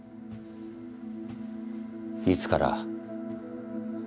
いつから？